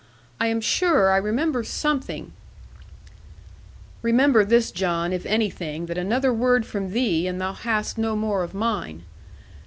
I am sure, I remember something ' 'Remember this, John, if anything that another word from thee, and thou hast no more of mine.